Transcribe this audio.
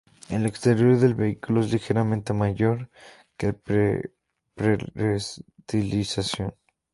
El exterior del vehículo es ligeramente mayor que el pre-restilización.